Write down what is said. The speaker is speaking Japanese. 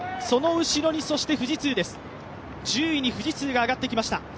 その後ろに富士通です、１０位に富士通が上がってきました。